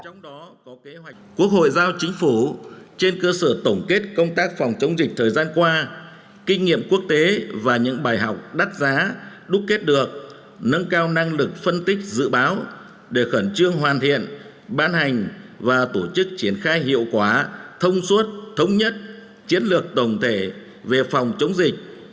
trong đó có kế hoạch của quốc hội giao chính phủ trên cơ sở tổng kết công tác phòng chống dịch thời gian qua kinh nghiệm quốc tế và những bài học đắt giá đúc kết được nâng cao năng lực phân tích dự báo để khẩn trương hoàn thiện bán hành và tổ chức triển khai hiệu quả thông suất thông dịch